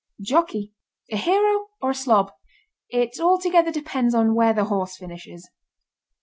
JOCKEY. A hero or a slob it all together depends on where the horse finishes.